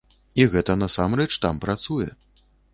І гэта насамрэч там працуе.